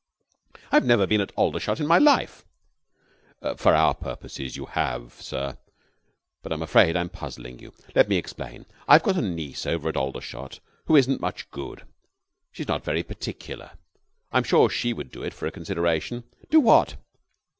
"I've never been at Aldershot in my life." "For our purposes you have, sir. But I'm afraid I am puzzling you. Let me explain. I've got a niece over at Aldershot who isn't much good. She's not very particular. I am sure she would do it for a consideration." "Do what?"